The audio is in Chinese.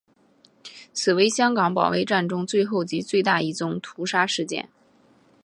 此为香港保卫战中最后及最大一宗屠杀事件。